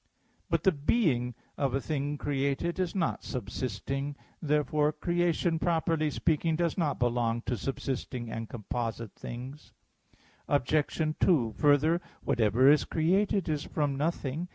But the being of a thing created is not subsisting. Therefore creation properly speaking does not belong to subsisting and composite things. Obj. 2: Further, whatever is created is from nothing.